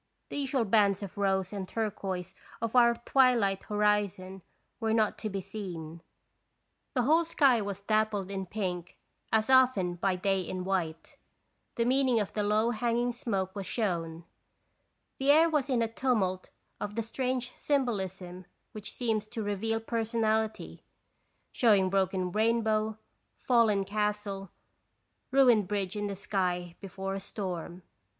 The usual bands of rose and turquoise of our twilight horizon were not to be seen; the whole sky was dappled in pink as often by i54 21 (Stations Visitation. day in white. The meaning of the low hang ing smoke was shown. The air was in a tumult of the strange symbolism which seems to reveal personality, showing broken rainbow, fallen castle, ruined bridge in the sky before a storm.